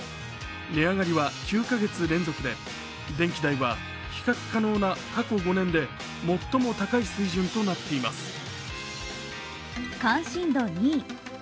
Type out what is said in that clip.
値上がりは９カ月連続で、電気代は比較可能な過去５年で最も高い水準となっています。